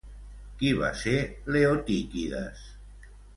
Qui va ser Leotíquides?